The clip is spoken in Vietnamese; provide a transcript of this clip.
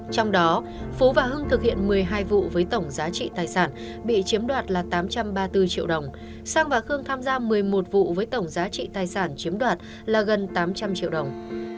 trong đó phú và hưng thực hiện một mươi hai vụ với tổng giá trị tài sản bị chiếm đoạt là tám trăm ba mươi bốn triệu đồng sang và khương tham gia một mươi một vụ với tổng giá trị tài sản chiếm đoạt là gần tám trăm linh triệu đồng